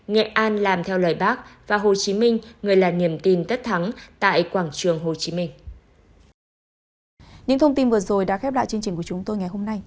những thông tin vừa rồi đã khép lại chương trình của chúng tôi ngày hôm nay